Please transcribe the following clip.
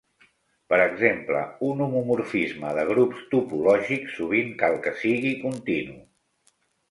Per exemple, un homomorfisme de grups topològics sovint cal que sigui continu.